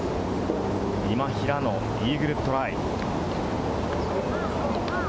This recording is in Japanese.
今平のイーグルトライ。